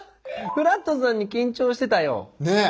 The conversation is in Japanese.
フラットさんに緊張してたよ。